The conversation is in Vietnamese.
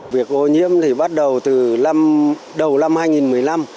việc ô nhiễm thì bắt đầu từ đầu năm hai nghìn một mươi năm